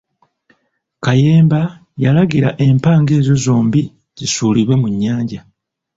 Kayemba yalagira empanga ezo zombi zisuulibwe mu nnyanja.